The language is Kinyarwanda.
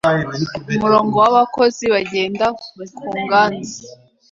Umurongo w'abakozi bagenda ku ngazi